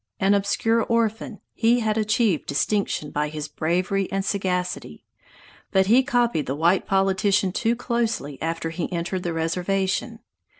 An obscure orphan, he had achieved distinction by his bravery and sagacity; but he copied the white politician too closely after he entered the reservation.